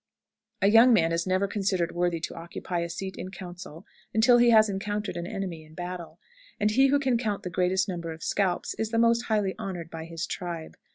A young man is never considered worthy to occupy a seat in council until he has encountered an enemy in battle; and he who can count the greatest number of scalps is the most highly honored by his tribe.